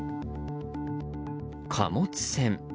貨物船。